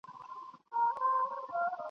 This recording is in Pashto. د هر چا عیب ته یې دوې سترګي نیولي ..